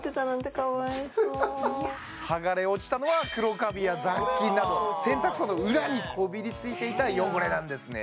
はがれ落ちたのは黒カビや雑菌など洗濯槽の裏にこびりついていた汚れなんですね